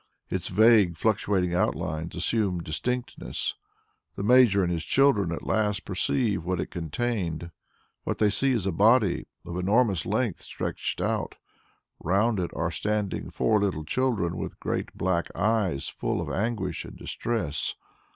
Its vague fluctuating outlines assume distinctness. The Major and his children at last perceive what it contained. What they see is a body of enormous length stretched out; round it are standing four little children with great black eyes full of anguish and distress.